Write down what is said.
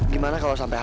gimana kalau sampai amat